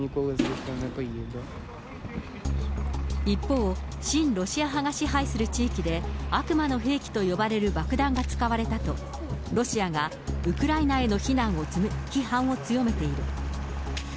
一方、親ロシア派が支配する地域で、悪魔の兵器と呼ばれる爆弾が使われたと、ロシアがウクライナへの批判を強めている。